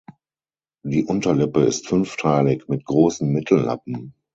Die Unterlippe ist fünfteilig mit großen Mittellappen.